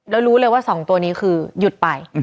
แล้วรู้เลยว่า๒ตัวนี้คือหยุดไป